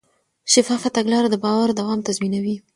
شفافه تګلاره د باور دوام تضمینوي.